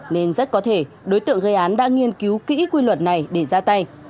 nên rất có thể đối tượng gây án đã nghiên cứu kỹ quy luật này để ra tay